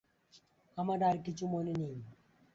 আমার আর কিছু মনে নেই।